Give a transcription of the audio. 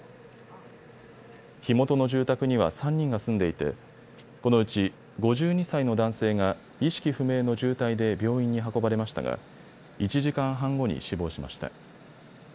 火元の住宅には３人が住んでいてこのうち５２歳の男性が意識不明の重体で病院に運ばれましたが１時間半後に死亡しました。